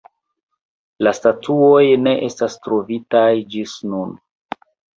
La statuoj ne estas trovitaj ĝis nun.